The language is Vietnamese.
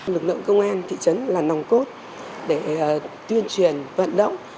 lực lượng công an thị trấn là nòng cốt để tuyên truyền vận động